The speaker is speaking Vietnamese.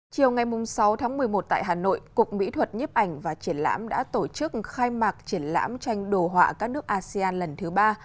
chiều ngày sáu tháng một mươi một tại hà nội cục mỹ thuật nhếp ảnh và triển lãm đã tổ chức khai mạc triển lãm tranh đồ họa các nước asean lần thứ ba